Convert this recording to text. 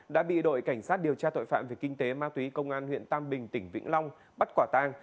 đã bị đội cảnh sát điều tra tội phạm về kinh tế ma túy công an huyện tam bình tỉnh vĩnh long bắt quả tang